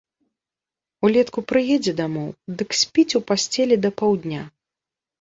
Улетку прыедзе дамоў, дык спіць у пасцелі да паўдня.